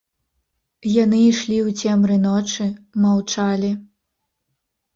Яны ішлі ў цемры ночы, маўчалі.